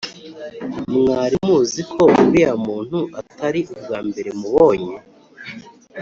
mwari muziko uriya muntu atari ubwambere mubonye